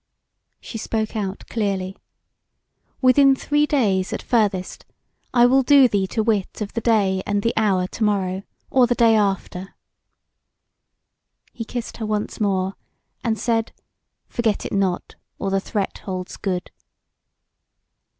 She spoke out clearly: "Within three days at furthest; I will do thee to wit of the day and the hour to morrow, or the day after." He kissed her once more, and said: "Forget it not, or the threat holds good."